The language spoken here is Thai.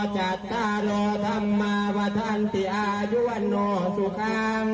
สวดมนต์และน้ำมันลดก็ขอเหงตาพึงนะคะ